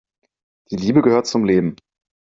Die Liebe gehört zum Leben.